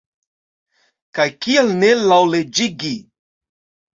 Kaj kial ne laŭleĝigi?